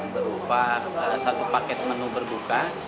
berupa satu paket menu berbuka